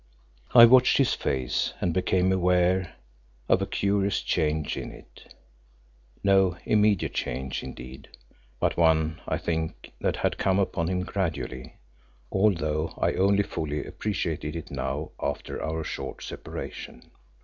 I watched his face and became aware of a curious change in it, no immediate change indeed, but one, I think, that had come upon him gradually, although I only fully appreciated it now, after our short separation.